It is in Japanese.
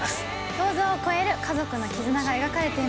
想像を超える家族の絆が描かれています。